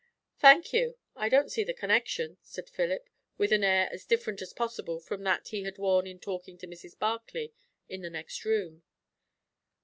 "Thank you. I don't see the connection," said Philip, with an air as different as possible from that he had worn in talking to Mrs. Barclay in the next room.